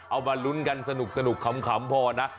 มาลุ้นกันสนุกขำพอนะ